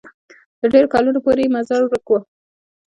د ډېرو کلونو پورې یې مزار ورک وو.